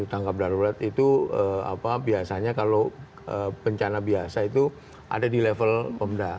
tangkap darurat itu biasanya kalau bencana biasa itu ada di level pemda